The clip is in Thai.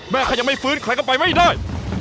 ใครยังไม่ฟื้นใครก็ไปไม่ได้